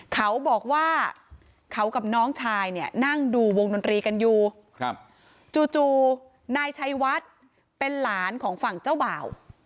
เขาบอกว่าเขากับน้องชายเนี่ยนั่งดูวงดนตรีกันอยู่จู่นายชัยวัดเป็นหลานของฝั่งเจ้าบ่าว